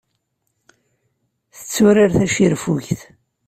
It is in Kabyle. Tetturar tacirfugt.